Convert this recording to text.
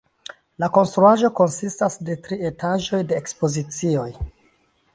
La konstruaĵo konsistas de tri etaĝoj de ekspozicioj.